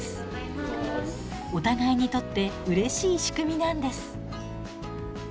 お互いにとってうれしい仕組みなんです。